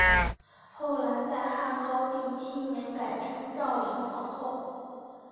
后来在汉高帝七年改称昭灵皇后。